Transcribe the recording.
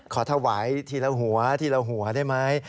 ถวายทีละหัวทีละหัวได้ไหม